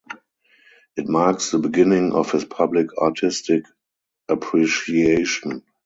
It marks the beginning of his public artistic appreciation.